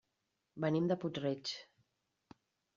Venim de Puig-reig.